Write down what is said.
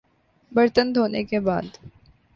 برتن دھونے کے بعد